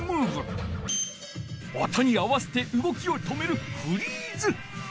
音に合わせてうごきを止める「フリーズ」。